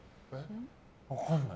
分かんない。